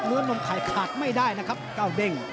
นมไข่ขาดไม่ได้นะครับเก้าเด้ง